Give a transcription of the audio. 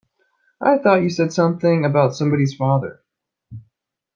I thought you said something about somebody's father.